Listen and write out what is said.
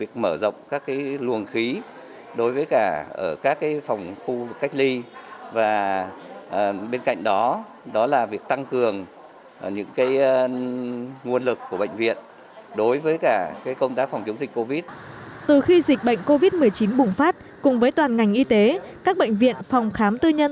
từ khi dịch bệnh covid một mươi chín bùng phát cùng với toàn ngành y tế các bệnh viện phòng khám tư nhân